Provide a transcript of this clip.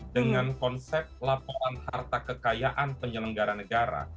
dengan konsep laporan harta kekayaan penyelenggara negara